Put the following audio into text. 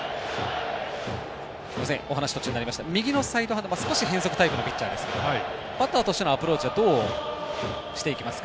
右のサイドハンド、少し変則タイプのピッチャーですけどバッターとしてのアプローチはどうしていきますか？